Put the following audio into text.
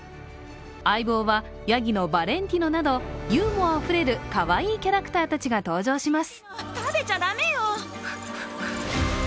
相棒は、やぎのバレンティノなどユーモアあふれるかわいいキャラクターたちが登場します。